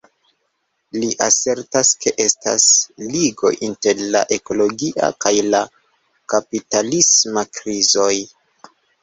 Li asertas ke estas ligo inter la ekologia kaj la kapitalisma krizoj.